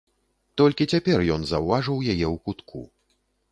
Толькі цяпер ён заўважыў яе ў кутку.